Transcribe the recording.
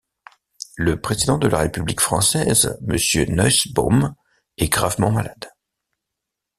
Le président de la République française, Mr Nuissbaum, est gravement malade.